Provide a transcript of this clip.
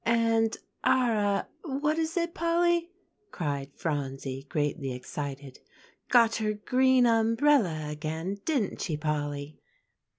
"And Ara what is it, Polly?" cried Phronsie, greatly excited, "got her green umbrella again, didn't she, Polly?"